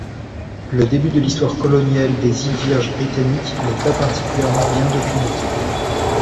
Le début de l'histoire coloniale des Îles Vierges britanniques n'est pas particulièrement bien documenté.